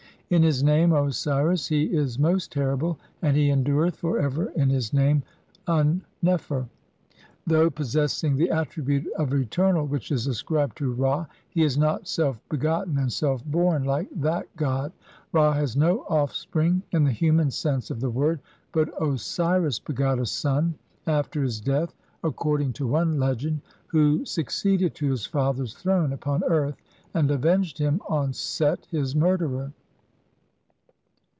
In his name "Osiris" he is most terrible, and he en dureth for ever in his name "Un nefer". Though possessing the attribute of eternal which is ascribed to Ra he is not "self begotten and self born" like that god ; Ra has no offspring in the human sense of the word, but Osiris begot a son (after his death, accord ing to one legend), who succeeded to his father's throne upon earth and "avenged" him on Set his murderer.